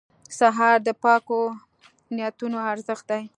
سهار د پاکو نیتونو ارزښت دی.